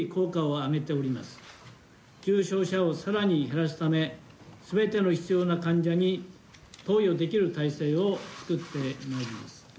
重症者をさらに減らすため、すべての必要な患者に投与できる体制を作ってまいります。